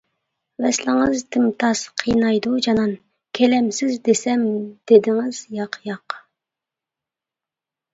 ۋەسلىڭىز تىمتاس قىينايدۇ جانان، كېلەمسىز دېسەم، دېدىڭىز: ياق، ياق.